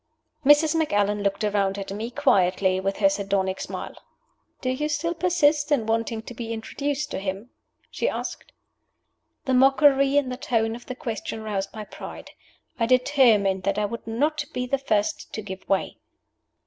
Mrs. Macallan looked around at me quietly with her sardonic smile. "Do you still persist in wanting to be introduced to him?" she asked. The mockery in the tone of the question roused my pride. I determined that I would not be the first to give way.